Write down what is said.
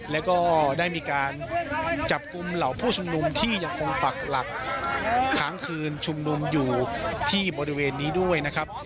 แล้วก็ได้มีการจับกลุ่มเหล่าผู้ชุมนุมที่ยังคงปักหลักค้างคืนชุมนุมอยู่ที่บริเวณนี้ด้วยนะครับ